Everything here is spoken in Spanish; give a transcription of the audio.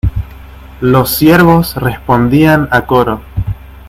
los siervos respondían a coro.